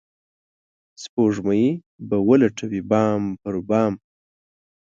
سپوږمۍ به ولټوي بام پر بام